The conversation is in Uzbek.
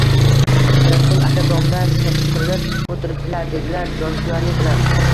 Pirimqul aka domda siqilib o`tiribdilar, dedilar jonkuyarlik bilan